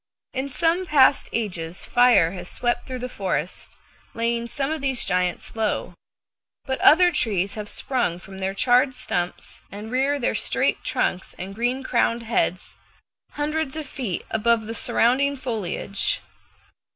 In some past ages fire has swept through the forest, laying some of these giants low, but other trees have sprung from their charred stumps, and rear their straight trunks and green crowned heads hundreds of feet above the surrounding foliage.